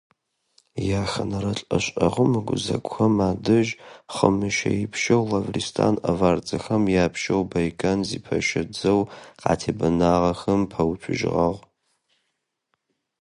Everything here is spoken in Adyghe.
Яхэнэрэ лӏэшӏэгъум ыгузэгухэм адэжь хъымыщэипщэу Лавристан аварцэхэм япщэу Байкан зипэщэ дзэу къатебэнагъэхэм пэуцужьыгъагъ.